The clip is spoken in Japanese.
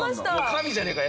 神じゃねえか！